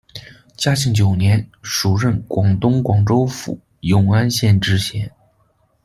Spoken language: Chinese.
嘉庆九年，署任广东广州府永安县知县。